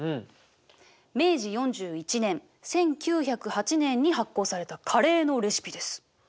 明治４１年１９０８年に発行されたカレーのレシピです。